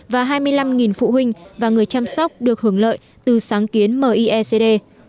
và hai mươi năm phụ huynh và người chăm sóc được hưởng lợi từ sáng kiến miecd